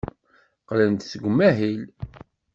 Qqlent-d seg umahil.